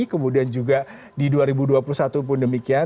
kemudian juga di dua ribu dua puluh satu pun demikian